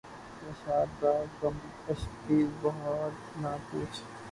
نشاطِ داغِ غمِ عشق کی بہار نہ پُوچھ